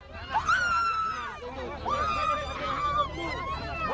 kepala kepala kepala